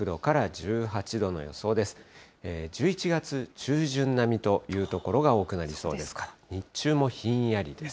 １１月中旬並みという所が多くなりそうです。